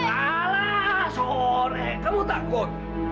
alah sore kamu takut